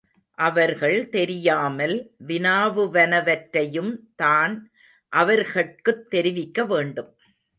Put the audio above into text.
அவர்கள் தெரியாமல் வினாவுவனவற்றையும்தான் அவர்கட்குத் தெரிவிக்க வேண்டும்.